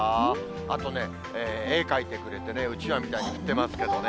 あとね、絵描いてくれて、うちわみたいに振ってますけどね。